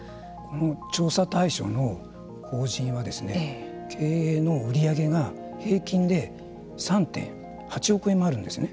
調査対象の法人は経営の売り上げが平均で３．８億円もあるんですね。